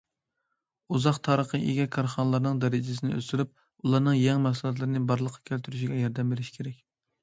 ئۇزاق تارىخقا ئىگە كارخانىلارنىڭ دەرىجىسىنى ئۆستۈرۈپ، ئۇلارنىڭ يېڭى مەھسۇلاتلارنى بارلىققا كەلتۈرۈشىگە ياردەم بېرىش كېرەك.